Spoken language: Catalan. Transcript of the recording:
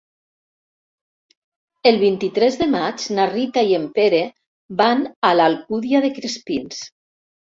El vint-i-tres de maig na Rita i en Pere van a l'Alcúdia de Crespins.